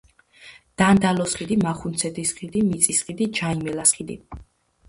დანდალოს ხიდი, მახუნცეთის ხიდი, მიწის ხიდი, ჯაიმელას ხიდი.